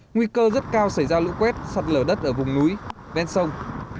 nguy cơ rất cao xảy ra lũ quét sạt lở đất ở vùng núi ven sông